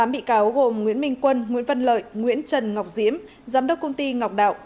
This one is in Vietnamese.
tám bị cáo gồm nguyễn minh quân nguyễn văn lợi nguyễn trần ngọc diếm giám đốc công ty ngọc đạo